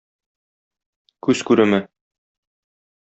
Күз күреме.